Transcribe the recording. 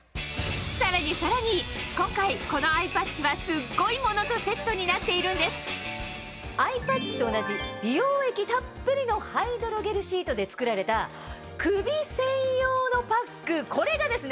さらにさらに今回このアイパッチはアイパッチと同じ美容液たっぷりのハイドロゲルシートで作られた首専用のパックこれがですね